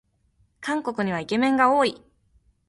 韓国にはイケメンが多い